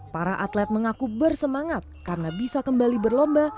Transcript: para atlet mengaku bersemangat karena bisa kembali berlomba